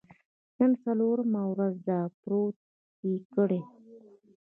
نن څلورمه ورځ ده، پروت یې کړی.